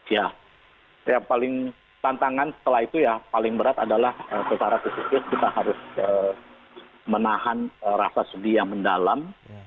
ya yang paling tantangan setelah itu ya paling berat adalah secara fisikis kita harus menahan rasa sedih yang mendalam